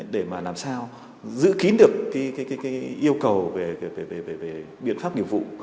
để mà làm sao giữ kín được yêu cầu về biện pháp nghiệp vụ